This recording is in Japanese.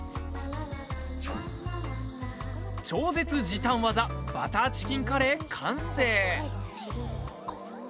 超絶時短技バターチキンカレー完成。